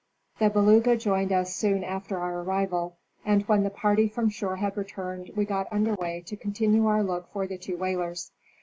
The Beluga joined us soon after our arrival, and when the party from shore had returned we got under way to continue our look for the two whalers.